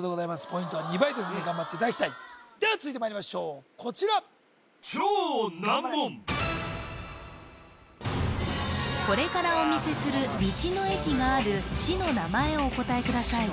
ポイントは２倍ですんで頑張っていただきたいでは続いてまいりましょうこちら頑張れこれからお見せする道の駅がある市の名前をお答えください